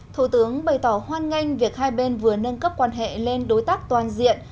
thủ tướng bày tỏ hoan nghênh việc hai bên vừa nâng cấp quan hệ lên đối tác toàn diện